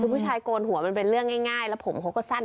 คือผู้ชายโกนหัวมันเป็นเรื่องง่ายแล้วผมเขาก็สั้น